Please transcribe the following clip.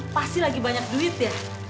pasti lagi banyak duit ya